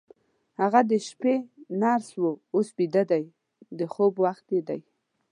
هغه د شپې نرس وه، اوس بیده ده، د خوب وخت یې دی.